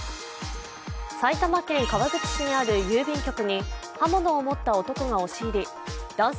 埼玉県川口市にある郵便局に刃物を盛った男が押し入り男性